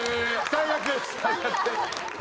最悪です。